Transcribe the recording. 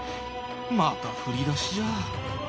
また振り出しじゃ。